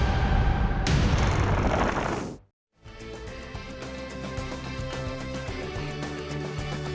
นิวโชว์